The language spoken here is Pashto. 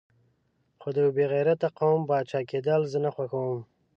خو د یو بې غیرته قوم پاچا کېدل زه نه خوښوم.